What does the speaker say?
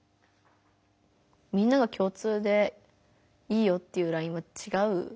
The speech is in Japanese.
みんながきょう通でいいよっていうラインはちがう。